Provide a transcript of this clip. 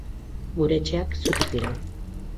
Gure etxeak zutik dirau.